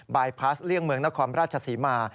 บายพลาสเลี่ยงเมืองนครราชศรีมา